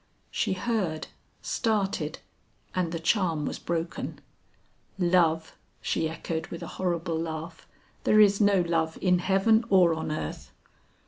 She heard, started, and the charm was broken. "Love!" she echoed with a horrible laugh; "there is no love in heaven or on earth!"